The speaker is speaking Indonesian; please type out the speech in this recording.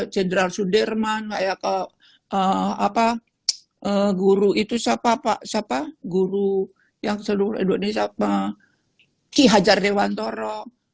general sudirman kayak apa guru itu siapa siapa guru yang seluruh indonesia pak ki hajar dewantoro